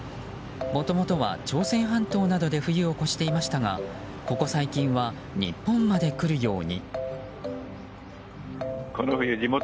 もともとは朝鮮半島などで冬を越していましたがここ最近は日本まで来るように。